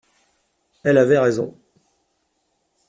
Elle avait raison.